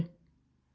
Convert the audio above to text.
đó là suy nghĩ